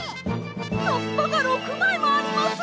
はっぱが６まいもあります！